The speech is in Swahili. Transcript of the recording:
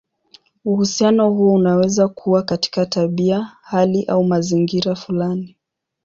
Uhusiano huo unaweza kuwa katika tabia, hali, au mazingira fulani.